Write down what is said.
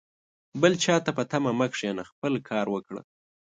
بل چاته په تمه مه کښېنه ، خپله کار وکړه